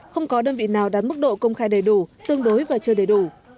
không có đơn vị nào đạt mức độ công khai đầy đủ tương đối và chưa đầy đủ